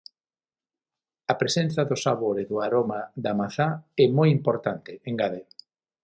A presenza do sabor e do aroma da mazá é moi importante, engade.